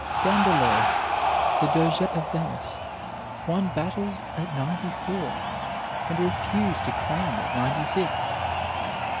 Dandolo, the Doge of Venice, won battles at ninety four, and refused a crown at ninety six.